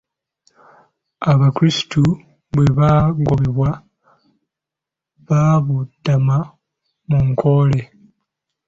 Abakirstu bwe baagobebwa, baabudama mu Nkole.